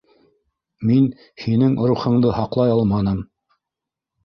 Мин һинең... рухыңды һаҡлай алманым!